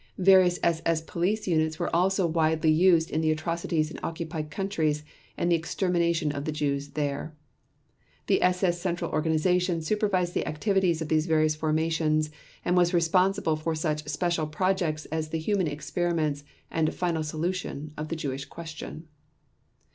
Various SS Police units were also widely used in the atrocities in occupied countries and the extermination of the Jews there. The SS Central Organization supervised the activities of these various formations and was responsible for such special projects as the human experiments and "final solution" of the Jewish question.